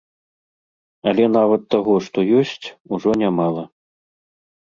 Але нават таго, што ёсць, ужо нямала.